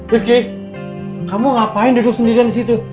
riefky kamu ngapain duduk sendirian disitu